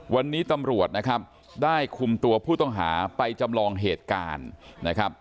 วันนี้ตำรวจนะครับได้คุมตัวผู้ต้องหาไปจำลองเหตุการณ์นะครับ